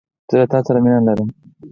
زه له تاسره مينه لرم